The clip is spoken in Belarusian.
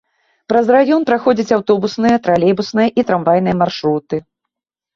Праз раён праходзяць аўтобусныя, тралейбусныя і трамвайныя маршруты.